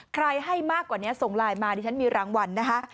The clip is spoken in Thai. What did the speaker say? ให้มากกว่านี้ส่งไลน์มาดิฉันมีรางวัลนะคะ